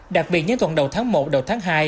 đặc biệt những tuần đầu tháng một đầu tháng hai